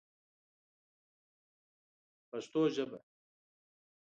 پښتو ژبه